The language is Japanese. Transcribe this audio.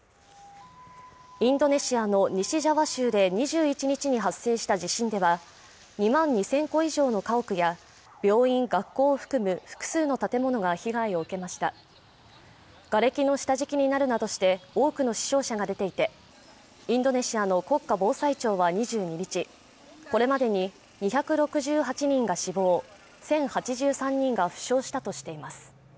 インドネシアの西ジャワ州で２１日に発生した地震では２万２０００戸以上の家屋や病院、学校を含む複数の建物が被害を受けましたがれきの下敷きになるなどして多くの死傷者が出ていてインドネシアの国家防災庁は２２日これまでに２６８人が死亡１０８３人が負傷したとしています